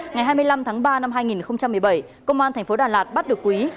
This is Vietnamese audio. ngày hai mươi năm tháng ba năm hai nghìn một mươi bảy công an thành phố đà lạt bắt được quý